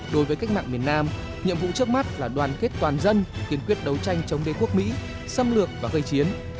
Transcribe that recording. đối với cách mạng miền nam nhiệm vụ trước mắt là đoàn kết toàn dân kiên quyết đấu tranh chống đế quốc mỹ xâm lược và gây chiến